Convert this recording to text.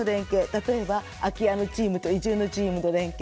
例えば空き家のチームと移住のチームの連携。